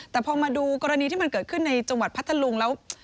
แต่พอมาดูกรณีที่มันเกิดขึ้นในจังหวัดพัทธลุงแล้ว